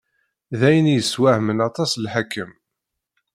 D ayen i yeswehmen aṭas lḥakem.